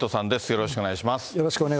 よろしくお願いします。